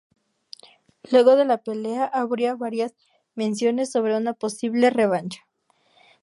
Luego de la pelea, habría varías menciones sobre una posible revancha.